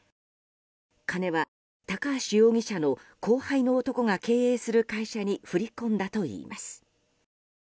金は、高橋容疑者の後輩の男が経営する会社に振り込んだといいます。